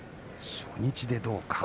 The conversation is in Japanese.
初日でどうか。